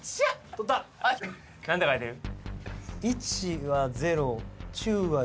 取った・何て書いてる？